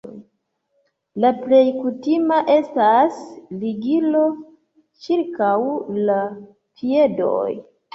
La plej kutima estas ligilo ĉirkaŭ la piedoj.